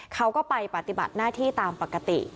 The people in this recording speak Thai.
เขาก็ไปปฏิบัติหน้าที่ตามปกติ